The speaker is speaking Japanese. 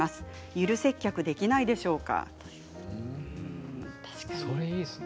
ゆる接客できないでしょうか。